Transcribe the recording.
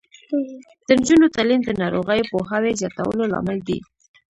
د نجونو تعلیم د ناروغیو پوهاوي زیاتولو لامل دی.